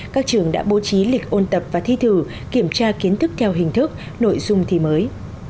các trường đã bố trí lịch ôn tập và thi thử kiểm tra kiến thức theo hình thức nội dung thi mới